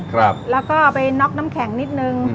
ครับแล้วก็ไปน็อกน้ำแข็งนิดนึง